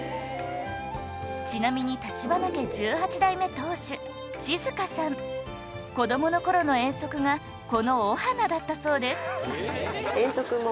ちなみに立花家１８代目当主千月香さん子どもの頃の遠足がこの御花だったそうです